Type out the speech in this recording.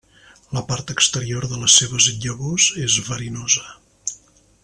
La part exterior de les seves llavors és verinosa.